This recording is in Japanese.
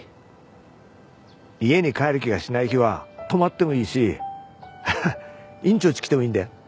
家に帰る気がしない日は泊まってもいいし院長んち来てもいいんだよ。